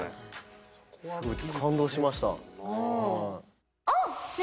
すごい感動しました。